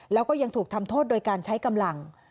แล้วก็ยังถูกทำโทษโดยการใช้กำลัง